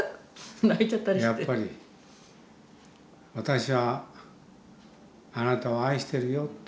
やっぱり私はあなたを愛してるよって。